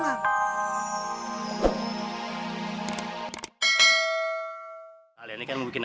nih belanjanya nih